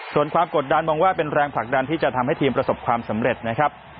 ส่วนความกดดันมองว่าเป็นแรงผลักดันที่จะทำให้ทีมประสบความสำเร็จนะครับ